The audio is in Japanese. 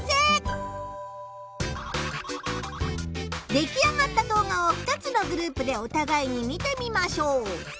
できあがった動画を２つのグループでおたがいに見てみましょう。